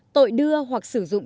tội đưa hoặc sử dụng